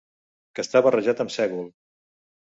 Que està barrejat amb sègol.